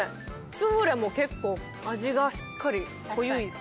スフレも結構味がしっかり濃ゆいですね。